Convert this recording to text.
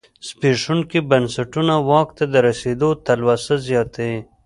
زبېښونکي بنسټونه واک ته د رسېدو تلوسه زیاتوي.